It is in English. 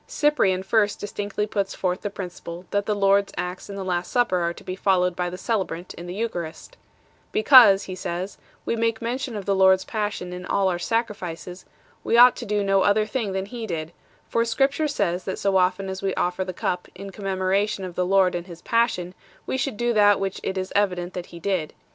Cyprian first distinctly puts forth the principle that the Lord s acts in the Last Supper are to be followed by the celebrant in the Eucharist. " Because," he says 9 ," we make mention of the Lord s Passion in all our sacrifices... we ought to do no other thing than He did ; for Scripture says that so often as we offer the Cup in commemoration of the Lord and His Passion, we should do that which it is evident that He did."